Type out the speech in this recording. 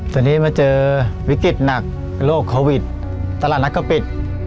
ตอนนี้มาเจอวิกฤตหนักโรคโควิดตลาดนัดก็ปิด